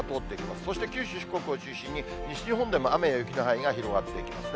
そして九州、四国を中心に西日本でも雨や雪の範囲が広がっていきますね。